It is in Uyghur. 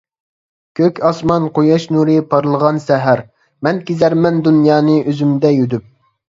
كۆك ئاسمان، قۇياش نۇرى پارلىغان سەھەر، مەن كېزەرمەن دۇنيانى ئۆزۈمدە يۈدۈپ.